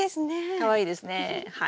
かわいいですねはい。